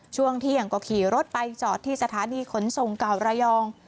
ช่วงเที่ยงก็ขี่รถไปจอดที่สถานีขนส่งเก่าระยอง